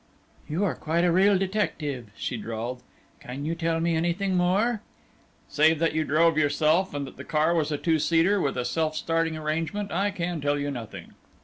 "You are quite a real detective," she drawled. "Can you tell me anything more?" "Save that you drove yourself and that the car was a two seater, with a self starting arrangement, I can tell you nothing."